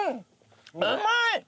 うまい！